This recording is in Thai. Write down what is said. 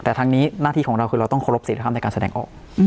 แต่ทางนี้หน้าที่ของเราคือเราต้องเคารพสิทธิภาพในการแสดงออก